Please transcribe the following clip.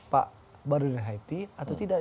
pak baru dari haiti atau tidak